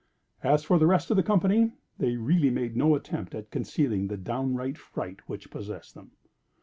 As for the rest of the company, they really made no attempt at concealing the downright fright which possessed them.